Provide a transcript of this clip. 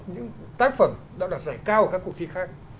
những tác phẩm đã đạt giải cao ở các cuộc thi khác